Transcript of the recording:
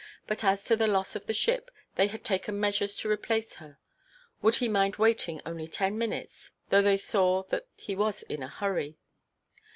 but as to the loss of the ship, they had taken measures to replace her. Would he mind waiting only ten minutes, though they saw that he was in a hurry?